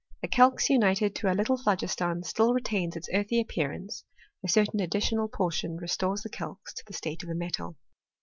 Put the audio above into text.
The calx united to a little phlogiston still retains its earthy appearance '— a certain additional portion restores the calx to the state of a metal.